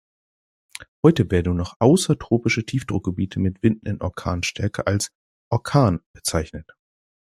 Heute werden nur noch außertropische Tiefdruckgebiete mit Winden in Orkanstärke als „Orkan“ bezeichnet.